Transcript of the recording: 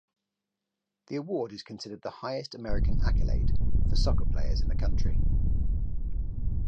The award is considered the highest American accolade for soccer players in the country.